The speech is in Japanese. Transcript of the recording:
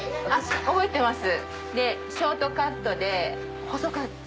覚えてます。